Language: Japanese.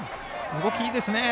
動き、いいですね。